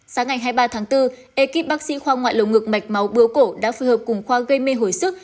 sáng ngày hai mươi ba tháng bốn ekip bác sĩ khoa ngoại lồng ngực mạch máu bướu cổ đã phù hợp cùng khoa gây mê hồi sức